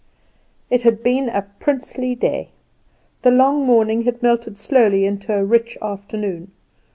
It had been a princely day. The long morning had melted slowly into a rich afternoon.